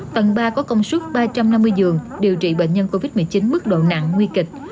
tầng ba có công suất ba trăm năm mươi giường điều trị bệnh nhân covid một mươi chín mức độ nặng nguy kịch